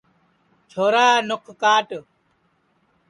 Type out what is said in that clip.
چھورا نُکھ کاٹ